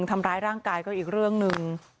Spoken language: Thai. ทำร้ายร่างกายก็อีกเรื่องหนึ่ง